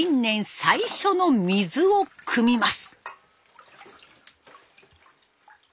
最初の水をくみます。